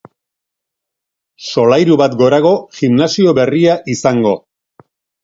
Solairu bat gorago gimnasio berria izango.